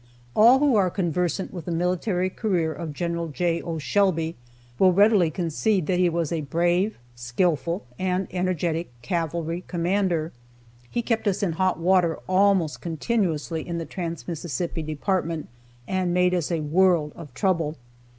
All who are conversant with the military career of General J. O. Shelby will readily concede that he was a brave, skillful, and energetic cavalry commander. He kept us in hot water almost continually in the Trans Mississippi department, and made us a world of trouble.